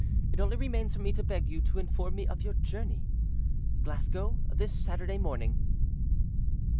It only remains for me to beg you to inform me of your journey. "Glasgow, this Saturday morning."